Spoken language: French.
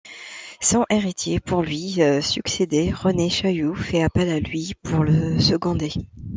Sans héritier pour lui succéder, René Chayoux fait appel à lui pour le seconder.